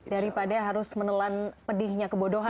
daripada harus menelan pedihnya kebodohan